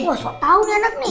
wah sok tau nih anak nih